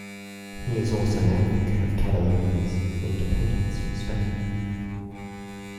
He is also an advocate of Catalonia's independence from Spain.